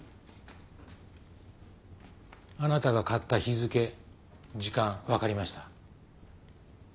あなたが買った日付時間分かりました。